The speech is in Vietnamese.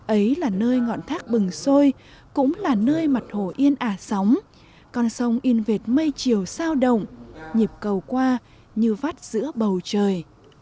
ấy là nơi ngọn thác bừng sôi cũng là nơi mặt hồ yên ả sóng con sông in vệt mây chiều sao động nhịp cầu qua như vắt giữa bầu trời